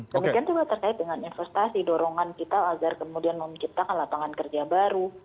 demikian juga terkait dengan investasi dorongan kita agar kemudian menciptakan lapangan kerja baru